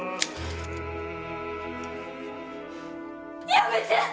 やめて！